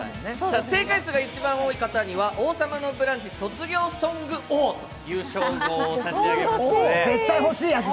姓回数が一番多い方には王様のブランチ・卒業ソング王の称号を差し上げますので。